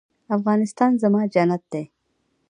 افغانستان زما جنت دی؟